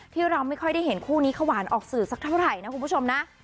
เราไม่ค่อยได้เห็นคู่นี้ขหวานออกสื่อสักเท่าไหร่นะคุณผู้ชมนะ